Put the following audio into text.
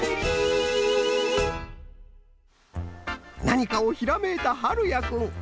なにかをひらめいたはるやくん。